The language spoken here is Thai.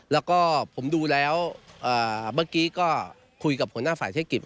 แล้วก็ผมดูแล้วเมื่อกี้ก็คุยกับหัวหน้าฝ่ายเทคนิค